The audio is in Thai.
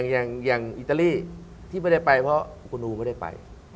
อย่างอิตาลีที่ไม่ได้ไปเพราะคุณอูไม่ได้ไป